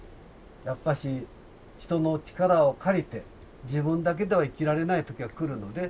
やっぱし人の力を借りて自分だけでは生きられない時が来るので。